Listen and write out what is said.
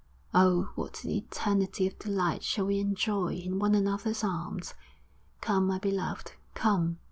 Oh, what an eternity of delight shall we enjoy in one another's arms! Come, my beloved, come!'